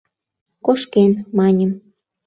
«Кошкен», — маньым.